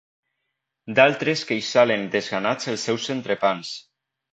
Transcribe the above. D'altres queixalen desganats els seus entrepans.